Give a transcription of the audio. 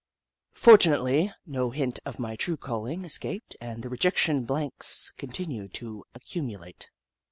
Fortunately, no hint of my true calling es caped, and the rejection blanks continued to accumulate.